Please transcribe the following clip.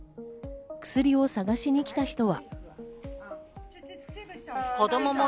薬を探しに来た人は。